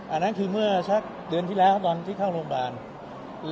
อันนั้นคือเมื่อสักเดือนที่แล้วตอนที่เข้าโรงพยาบาล